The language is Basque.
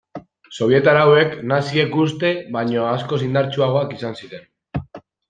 Sobietar hauek naziek uste baino askoz indartsuagoak izan ziren.